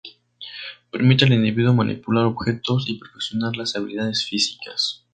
Permite al individuo manipular objetos y perfeccionar las habilidades físicas.